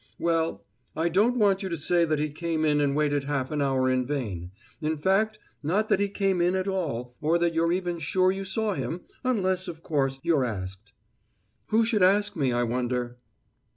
"Well, I don't want you to say that he came in and waited half an hour in vain; in fact, not that he came in at all, or that you're even sure you saw him, unless, of course, you're asked." "Who should ask me, I wonder?"